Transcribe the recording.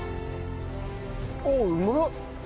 あっうまっ！